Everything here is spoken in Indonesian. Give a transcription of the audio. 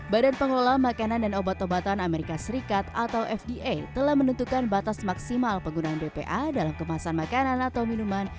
badan pengelola makanan dan obat obatan amerika serikat atau fda telah menentukan batas maksimal penggunaan bpa dalam kemasan makanan atau minuman